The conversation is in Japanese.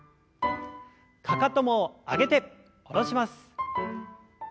かかとも上げて下ろします。